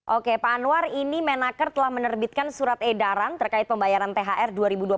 oke pak anwar ini menaker telah menerbitkan surat edaran terkait pembayaran thr dua ribu dua puluh satu